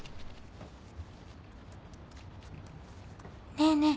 ねえねえ